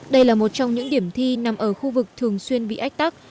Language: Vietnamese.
đây là một trong những điểm thi nằm ở khu vực thường xuyên bị ách tắc